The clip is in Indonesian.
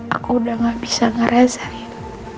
aku udah gak bisa ngeresari